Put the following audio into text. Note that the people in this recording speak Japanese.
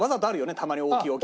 たまに大きい置物。